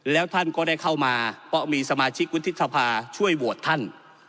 แล้วท่านก็ได้เข้ามาเพราะมีสมาชิกวุฒิสภาช่วยโหวตท่าน